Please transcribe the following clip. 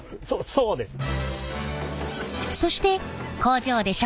そうですね。